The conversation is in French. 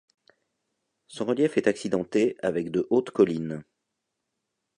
Son relief est accidenté avec de hautes collines.